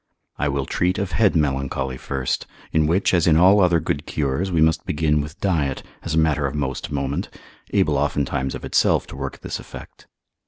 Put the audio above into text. I will treat of head melancholy first, in which, as in all other good cures, we must begin with diet, as a matter of most moment, able oftentimes of itself to work this effect.